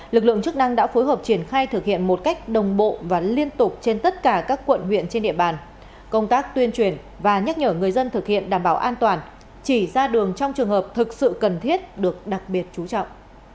lực lượng chức năng đã phối hợp triển khai thực hiện một cách đồng bộ và liên tục trên tất cả các quận huyện trên địa bàn công tác tuyên truyền và nhắc nhở người dân thực hiện đảm bảo an toàn chỉ ra đường trong trường hợp thực sự cần thiết được đặc biệt chú trọng